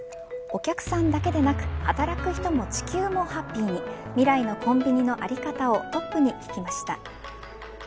お客さんだけでなく働く人も地球もハッピーに未来のコンビニの在り方をトップに聞きました。